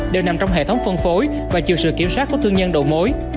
đều nằm trong hệ thống phân phối và chịu sự kiểm soát của thương nhân đầu mối